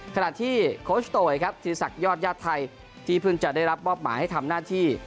ขณะที่โคชโตยครับธีรศักดิ์ยอดญาติไทยที่เพิ่งจะได้รับมอบหมายให้ทำหน้าที่